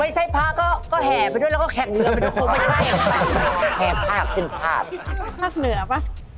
ใช่เหรอครับ